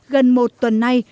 gần một tuần nay